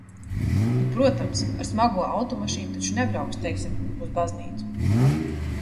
Nu, protams, ar smago automašīnu taču nebrauks, teiksim, uz baznīcu!